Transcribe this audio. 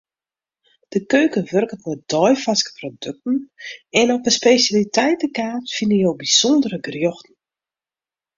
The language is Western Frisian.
De keuken wurket mei deifarske produkten en op 'e spesjaliteitekaart fine jo bysûndere gerjochten.